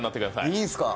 いいんですか？